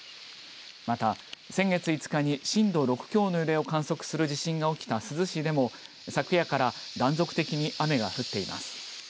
また先月５日に震度６強の揺れを観測する地震が起きた珠洲市でも昨夜から断続的に雨が降っています。